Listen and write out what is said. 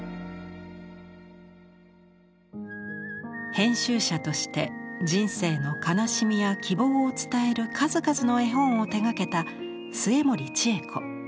編集者として人生の悲しみや希望を伝える数々の絵本を手がけた末盛千枝子。